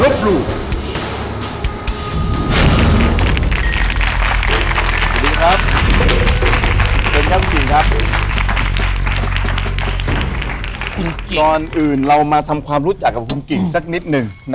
ก่อนอื่นเรามาทำความรู้จักกับคุณกิ่งสักนิดหนึ่ง